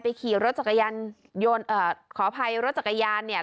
ขี่รถจักรยานยนต์เอ่อขออภัยรถจักรยานเนี่ย